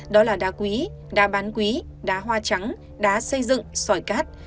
đó là đá quý đá bán quý đá hoa trắng đá xây dựng sỏi cát